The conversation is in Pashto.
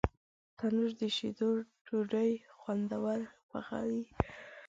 تنور د شیدو ډوډۍ خوندور پخوي